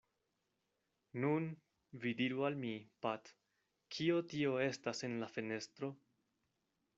“Nun, vi diru al mi, Pat, kio tio estas en la fenestro?”